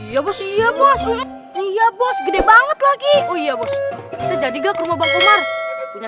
ya bos iya bos iya bos gede banget lagi iya bos jadi gak rumah bangkumar punya